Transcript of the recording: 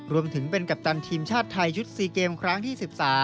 รวมถึงเป็นกัปตันทีมชาติไทยชุด๔เกมครั้งที่๑๓